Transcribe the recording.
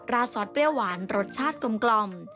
ซอสเปรี้ยวหวานรสชาติกลม